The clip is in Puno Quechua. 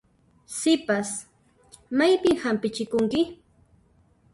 Sipas, maypin hampichikunki?